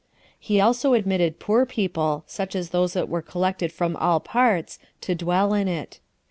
He also admitted poor people, such as those that were collected from all parts, to dwell in it.